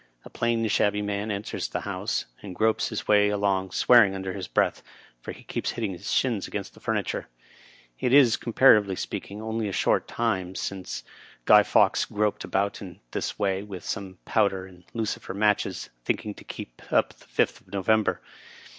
A plain, shabby man enters the House, and gropes his way along, swear ing under his breath, for he keeps hitting his shins against the furniture. It is, comparatiyely speaking, only a short time since G — ^y F — wk s groped about in this way, with some powder and lucifer matches, think ing to keep up the Fifth of November.